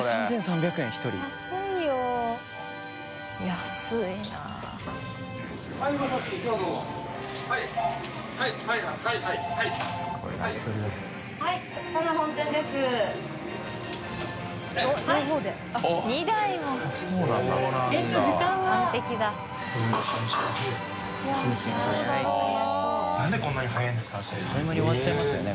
中島）あっという間に終わっちゃいますよね。